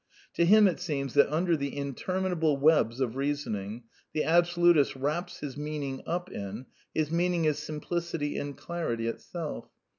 To him it seems that, under the interminable webs of reasoning the absolutist wraps his meaning up in, his mean ing is simplicity and clarity itself.